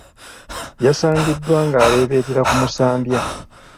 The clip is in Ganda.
Yasangiddwa ng’alebeetera ku musambya.